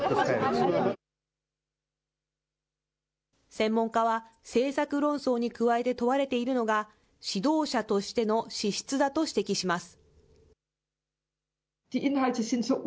専門家は、政策論争に加えて問われているのが、指導者としての資質だと指摘します。